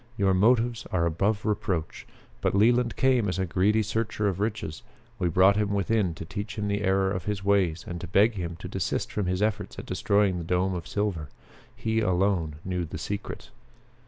Your motives are above reproach. But Leland came as a greedy searcher of riches. We brought him within to teach him the error of his ways and to beg him to desist from his efforts at destroying the dome of silver. He alone knew the secret."